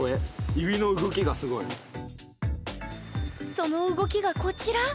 その動きがこちら！